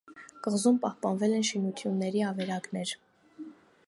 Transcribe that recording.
Կղզում պահպանվել են շինությունների ավերակներ։